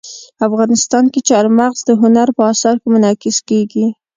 افغانستان کې چار مغز د هنر په اثار کې منعکس کېږي.